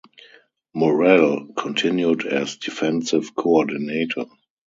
Morrell continued as defensive coordinator.